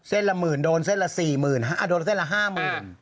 เส้นละหมื่นโดนเส้นละ๔หมื่นโดนเส้นละ๕หมื่น